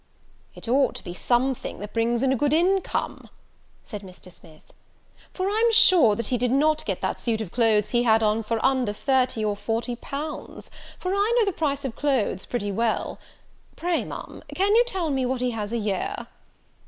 "It ought to be something that brings in a good income" said Mr. Smith; "for I'm sure that he did not get that suit of clothes he had on under thirty or forty pounds; for I know the price of clothes pretty well. Pray, Ma'am, can you tell me what he has a year?"